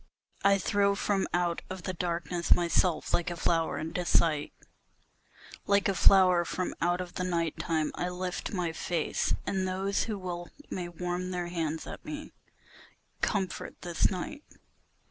I throw from out of the darkness my self like a flower into sight, Like a flower from out of the night time, I lift my face, and those Who will may warm their hands at me, comfort this night.